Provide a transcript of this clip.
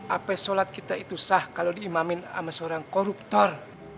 apa sholat kita itu sah kalau diimamin sama seorang koruptor